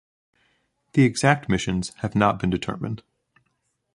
The exact missions have not been determined.